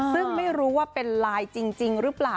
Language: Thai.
ซึ่งไม่รู้ว่าเป็นไลน์จริงหรือเปล่า